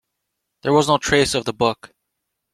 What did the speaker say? There was no trace of the book.